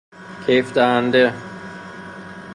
کیف دهنده